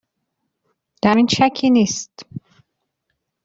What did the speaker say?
در این شکی نیست.